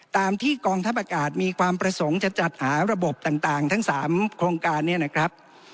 ตามที่กองทัพอากาศมีความประสงค์จะจัดหาระบบต่างทั้ง๓โครงการนี้นะครับ